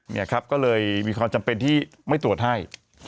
เนี่ยครับก็เลยมีความจำเป็นที่ไม่ตรวจให้